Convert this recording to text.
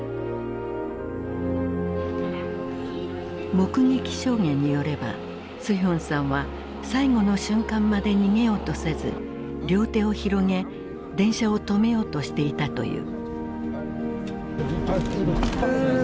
目撃証言によればスヒョンさんは最後の瞬間まで逃げようとせず両手を広げ電車を止めようとしていたという。